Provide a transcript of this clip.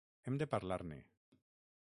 Hem de parlar-ne!